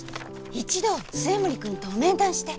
一度末森君と面談して。